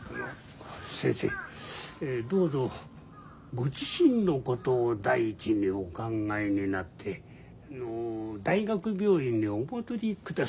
先生どうぞご自身のことを第一にお考えになって大学病院にお戻りください。